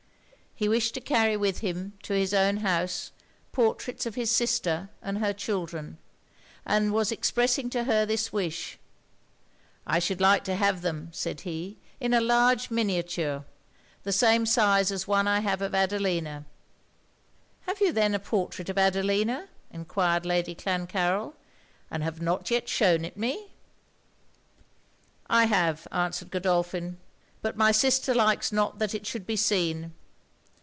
He wished to carry with him to his own house, portraits of his sister and her children; and was expressing to her this wish 'I should like to have them,' said he, 'in a large miniature; the same size as one I have of Adelina.' 'Have you then a portrait of Adelina,' enquired Lady Clancarryl, 'and have not yet shewn it me?' 'I have,' answered Godolphin; 'but my sister likes not that it should be seen.